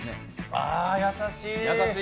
あー、優しい！